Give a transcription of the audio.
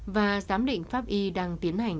và giám định pháp y đang tiến hành